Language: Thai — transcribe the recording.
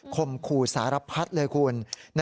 มขู่สารพัดเลยคุณ